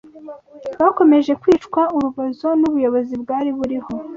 bakomeje kwicwa urubozo n’ubuyobozi bwari buriho